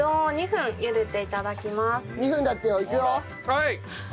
はい！